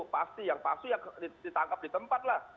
pasti yang palsu ya ditangkap di tempat lah